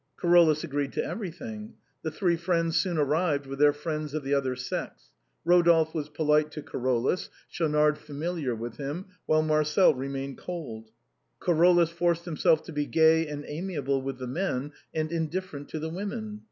Carolus agreed to everything. The three friends soon arrived with their friends of the other sex. Eodolphe was polite to Carolus, Schaunard familiar with him, Marcel remained cold. Carolus forced himself to be gay and amia ble with the men, and indifferent to the women.